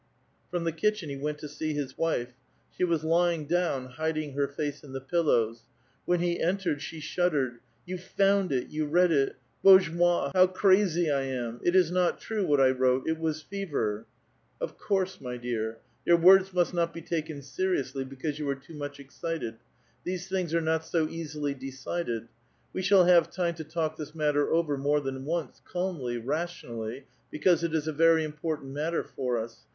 From the kitchen he went to sec his wife. She was lying ^own, hiding her face in the pillows ; when he entered, she shuddered :—You found it, you read it ! bozhe mot I how crazy I am I It is not true — what I wrote I it was fever I " 0f course, my dear;^ your words must not be tnken seriously, because you were too much excited. These things at*e not so easily decided. We shall have time to talk this matter over more than once, calmly, rationally, because it is * Very important matter for us.